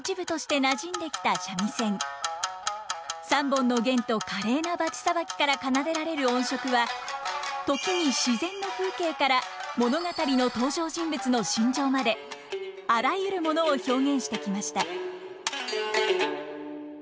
３本の絃と華麗なバチさばきから奏でられる音色は時に自然の風景から物語の登場人物の心情まであらゆるものを表現してきました。